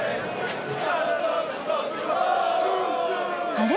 あれ？